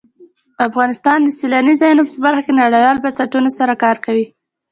افغانستان د سیلانی ځایونه په برخه کې نړیوالو بنسټونو سره کار کوي.